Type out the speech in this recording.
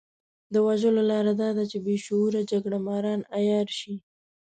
د وژلو لاره دا ده چې بې شعوره جګړه ماران عيار شي.